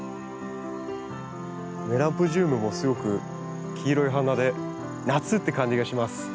メランポジウムもすごく黄色い花で夏って感じがします。